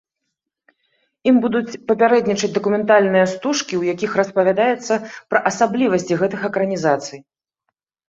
Ім будуць папярэднічаць дакументальныя стужкі, у якіх распавядаецца пра асаблівасці гэтых экранізацый.